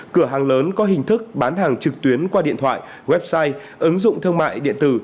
cửa hàng lớn có hình thức bán hàng trực tuyến qua điện thoại website ứng dụng thương mại điện tử